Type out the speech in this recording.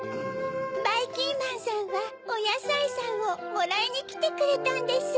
ばいきんまんさんはおやさいさんをもらいにきてくれたんです。